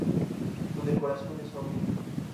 Su decoración es sobria.